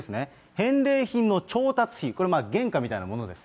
返礼品の調達費、これ、原価みたいなものです。